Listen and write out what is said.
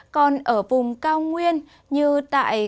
còn ở vùng cao nguyên như tại